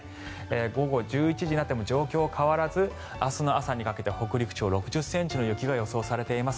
午後１１時になっても状況変わらず明日の朝にかけて北陸地方６０ｃｍの雪が予想されています。